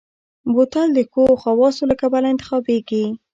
بوتل د ښو خواصو له کبله انتخابېږي.